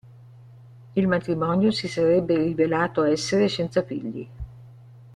Il matrimonio si sarebbe rivelato essere senza figli.